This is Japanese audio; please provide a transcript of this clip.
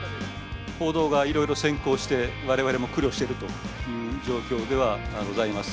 報道がいろいろ先行して、われわれも苦慮してるという状況ではございます。